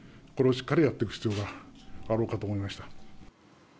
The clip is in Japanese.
これをしっかりやっていく必要があろうかと思いました。